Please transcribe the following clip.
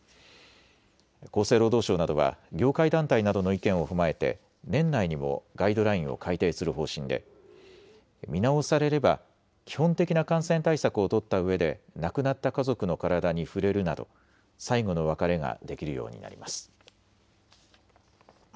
厚生労働省などは業界団体などの意見を踏まえて年内にもガイドラインを改定する方針で見直されれば基本的な感染対策を取ったうえで亡くなった家族の体に触れるなど最後の別れができるようになります。